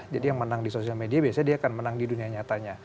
yang menang di sosial media biasanya dia akan menang di dunia nyatanya